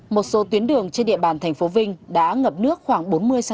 một số tuyến đường trên địa bàn tp vinh đã ngập nước khoảng bốn mùa